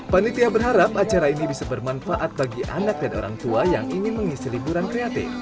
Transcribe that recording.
panitia berharap acara ini bisa bermanfaat bagi anak dan orang tua yang ingin mengisi liburan kreatif